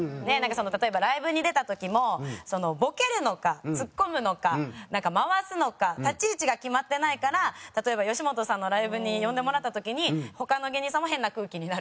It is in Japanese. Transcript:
例えばライブに出た時もボケるのかツッコむのか回すのか立ち位置が決まってないから例えば吉本さんのライブに呼んでもらった時に他の芸人さんも変な空気になる。